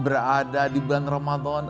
berada di bulan ramadan